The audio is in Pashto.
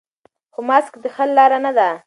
خو ماسک د حل لاره نه ده.